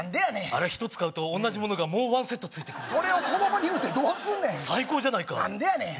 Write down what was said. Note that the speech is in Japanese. あれは１つ買うと同じものがもう１セットついてくるんだそれを子供に言うてどうすんねん最高じゃないか何でやねん